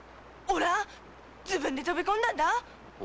オラ自分で飛び込んだんだ。